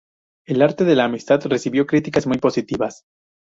El arte de la amistad" recibió críticas muy positivas.